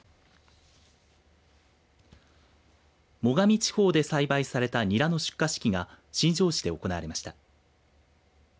最上地方で栽培されたニラの出荷式が新庄市で行われました。